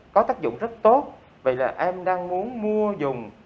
có tác dụng rất tốt vì là em đang muốn mua dùng